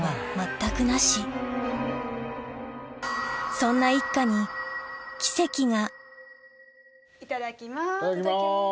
そんな一家にいただきます。